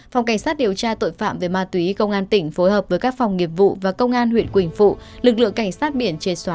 phòng cảnh sát điều tra tội phạm về ma túy công an tỉnh phối hợp với các phòng nghiệp vụ và công an huyện quỳnh phụ